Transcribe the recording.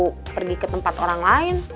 gak perlu pergi ke tempat orang lain